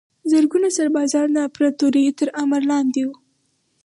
زرګونه سربازان د امپراتوریو تر امر لاندې وو.